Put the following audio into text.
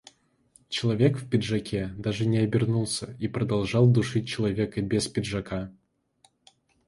Человек в пиджаке даже не обернулся и продолжал душить человека без пиджака.